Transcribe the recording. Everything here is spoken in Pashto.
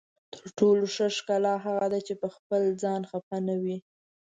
تر ټولو ښه ښکلا هغه ده چې پخپل ځان خفه نه وي.